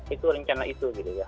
itu rencana itu gitu ya